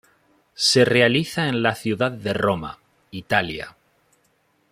Se realiza en la ciudad de Roma, Italia.